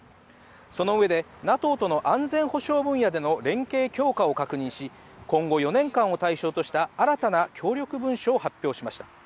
その上で、ＮＡＴＯとの安全保障分野での連携強化を確認し、今後４年間を対象とした新たな協力文書を発表しました。